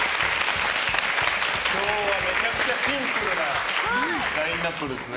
今日はめちゃくちゃシンプルなラインアップですね。